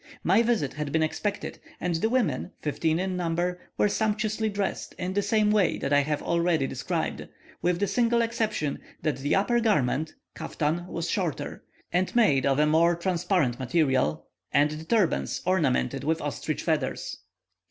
My visit had been expected, and the women, fifteen in number, were sumptuously dressed in the same way that I have already described; with the single exception, that the upper garment (kaftan) was shorter, and made of a more transparent material, and the turbans ornamented with ostrich feathers.